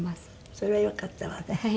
それはよかったわね。